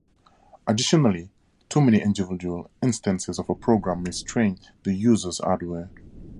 Additionally, too many individual instances of a program may strain the user's hardware.